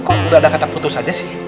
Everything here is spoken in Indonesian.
kok udah ada kata putus aja sih